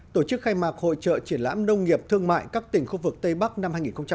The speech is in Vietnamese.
tổ chức khai mạc hội trợ triển lãm nông nghiệp thương mại các tỉnh khu vực tây bắc năm hai nghìn hai mươi